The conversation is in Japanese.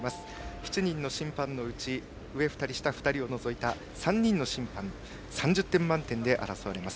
７人の審判のうち上２人、下２人を除いた審判の得点３０点満点で争われます。